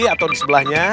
atau di sebelahnya